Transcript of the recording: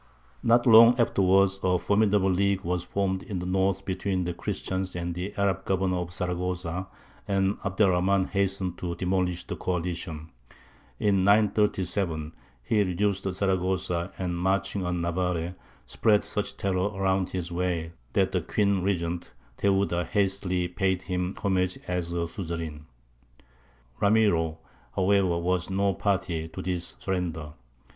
Not long afterwards a formidable league was formed in the north between the Christians and the Arab governor of Zaragoza, and Abd er Rahmān hastened to demolish the coalition. In 937 he reduced Zaragoza, and, marching on Navarre, spread such terror around his way that the Queen Regent, Theuda, hastily paid him homage as her suzerain. Ramiro, however, was no party to this surrender.